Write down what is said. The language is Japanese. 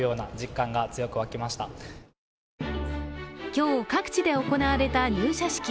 今日、各地で行われた入社式。